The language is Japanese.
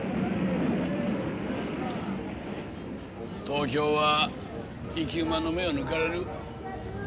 東京は生き馬の目を抜かれる。